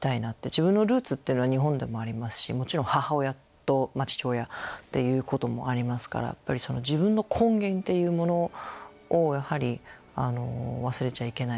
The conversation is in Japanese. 自分のルーツっていうのは日本でもありますしもちろん母親と父親っていうこともありますから自分の根源っていうものをやはり忘れちゃいけないんだと思いますよね。